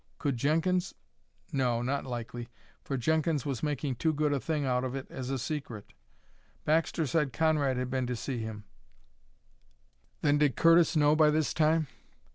Could Jenkins no, not likely, for Jenkins was making too good a thing out of it as a secret. Baxter said Conrad had been to see him then did Curtis know by this time?